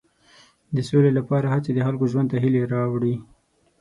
د سولې لپاره هڅې د خلکو ژوند ته هیلې راوړي.